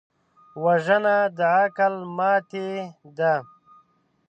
وژنه د عقل ماتې ده